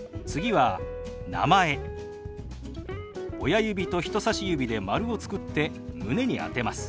親指と人さし指で丸を作って胸に当てます。